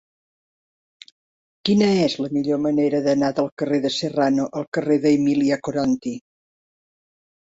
Quina és la millor manera d'anar del carrer de Serrano al carrer d'Emília Coranty?